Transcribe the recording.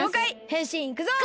へんしんいくぞ！